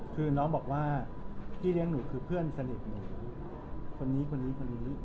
คือน้องบอกว่าพี่เลี้ยงหนูคือเพื่อนสนิทหนูคนนี้คนนี้คนนี้